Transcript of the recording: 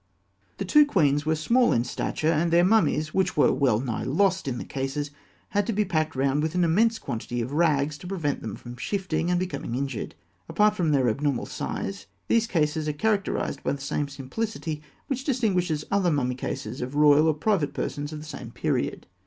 The two queens were small of stature, and their mummies which were well nigh lost in the cases had to be packed round with an immense quantity of rags, to prevent them from shifting, and becoming injured. Apart from their abnormal size, these cases are characterised by the same simplicity which distinguishes other mummy cases of royal or private persons of the same period.